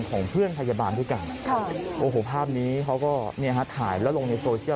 ของเพื่อนพยาบาลด้วยกันภาพนี้เขาก็ถ่ายแล้วลงในโซเชียล